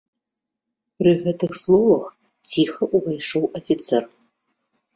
Пры гэтых словах ціха ўвайшоў афіцэр.